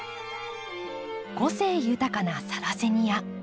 個性豊かなサラセニア。